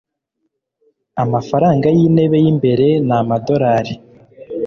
Amafaranga yintebe yimbere ni amadorari .